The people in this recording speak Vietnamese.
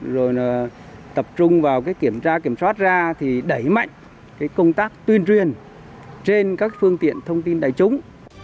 rồi là tập trung vào kiểm tra kiểm soát ra thì đẩy mạnh công tác tuyên truyền trên các phương tiện thông tin đại chúng